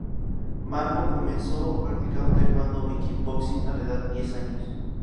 Marco comenzó practicando taekwondo y kickboxing a la edad de diez años.